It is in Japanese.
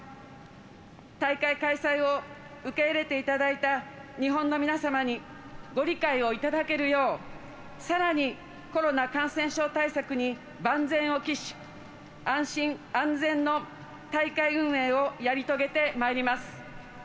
大会開催を受け入れていただいた日本の皆様にご理解をいただけるようさらにコロナ感染症対策に万全を期し安全・安心の大会運営をやり遂げてまいります。